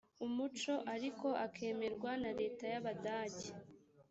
umuco ariko akemerwa na leta y abadage